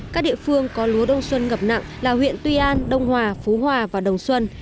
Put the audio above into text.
các địa phương có lúa đông xuân ngập nặng là huyện tuy an đông hòa phú hòa và đồng xuân